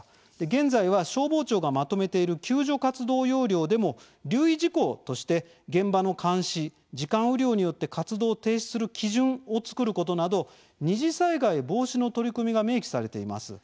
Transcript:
現在は、消防庁がまとめている救助活動要領でも留意事項として現場の監視、時間雨量によって活動を停止する基準を作ることなど、二次災害防止の取り組みが明記されています。